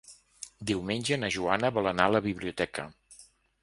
Diumenge na Joana vol anar a la biblioteca.